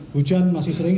hujan masih sering